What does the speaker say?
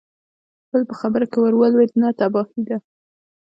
بل په خبره کې ور ولوېد: نه، تباهي ده!